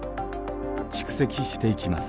蓄積していきます。